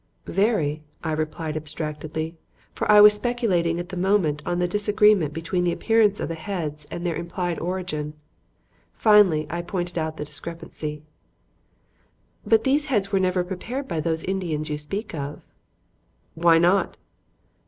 "Very," I replied abstractedly; for I was speculating at the moment on the disagreement between the appearance of the heads and their implied origin. Finally I pointed out the discrepancy. "But these heads were never prepared by those Indians you speak of." "Why not?"